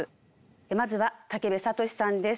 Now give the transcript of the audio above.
まずは武部聡志さんです。